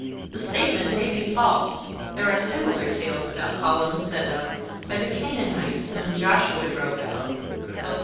The statement may be false—there are similar tales about columns set up 'by the Canaanites whom Joshua drove out' (Procop.)